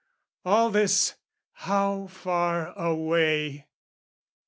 All this, how far away!